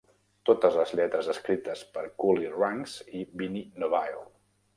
Totes les lletres escrites per Coolie Ranx i Vinnie Nobile.